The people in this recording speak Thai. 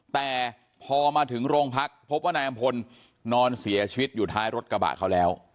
แต่พอมาถึงโรงพักพบว่านายอำพลนอนเสียชีวิตอยู่ท้ายรถกระบะเขาแล้ว